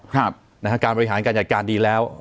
การบริหารการอาจารย์การดีแล้ว